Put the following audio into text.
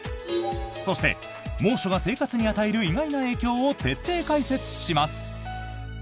そして、猛暑が生活に与える意外な影響を徹底解説します。